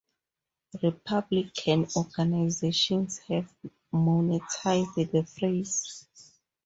Republican organizations have monetized the phrase.